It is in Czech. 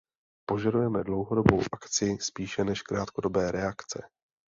Požadujeme dlouhodobou akci spíše než krátkodobé reakce.